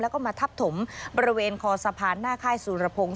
แล้วก็มาทับถมบริเวณคอสะพานหน้าค่ายสุรพงศ์